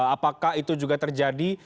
apakah itu juga terjadi